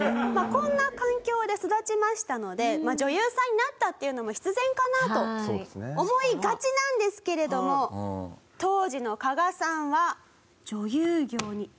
こんな環境で育ちましたので女優さんになったっていうのも必然かなと思いがちなんですけれども当時の加賀さんは。